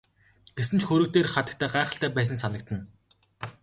Гэсэн ч хөрөг дээрх хатагтай гайхалтай байсан санагдана.